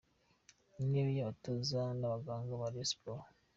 Intebe y’abatoza n’abaganga ba Rayon Sports